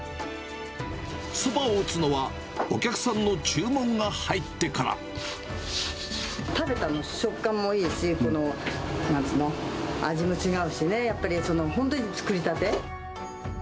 そばを打つのは、食べたときの食感もいいし、この、なんつうの、味も違うし、やっぱり本当に作りたて。